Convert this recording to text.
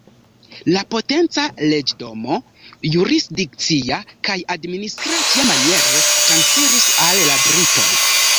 La potenco leĝdona, jurisdikcia kaj administra tiamaniere transiris al la britoj.